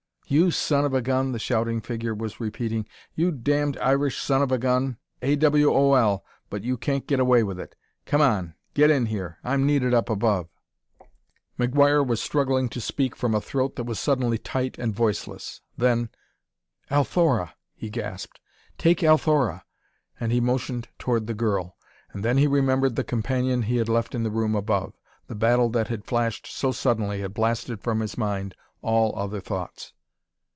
"You son of a gun!" the shouting figure was repeating. "You damned Irish son of a gun! A. W. O. L. but you can't get away with it! Come on get in here! I'm needed up above!" McGuire was struggling to speak from a throat that was suddenly tight and voiceless. Then "Althora," he gasped; "take Althora!" and he motioned toward the girl. And then he remembered the companion he had left in the room above. The battle that had flashed so suddenly had blasted from his mind all other thoughts.